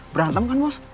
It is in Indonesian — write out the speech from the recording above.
berantem kan bos